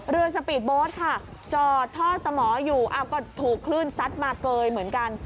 สปีดโบสต์ค่ะจอดท่อสมออยู่ก็ถูกคลื่นซัดมาเกยเหมือนกัน